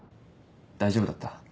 大丈夫だった？